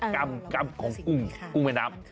กรามของกุ้งไม้น้ำ